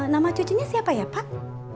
nama cucunya siapa ya pak